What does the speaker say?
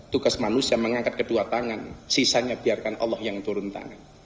tugas manusia mengangkat kedua tangan sisanya biarkan allah yang turun tangan